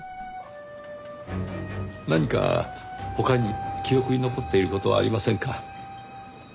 何か他に記憶に残っている事はありませんか？